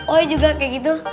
oi juga kayak gitu